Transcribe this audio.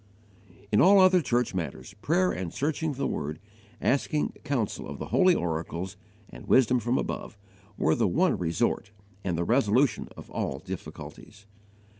In all other church matters, prayer and searching the Word, asking counsel of the Holy Oracles and wisdom from above, were the one resort, and the resolution of all difficulties.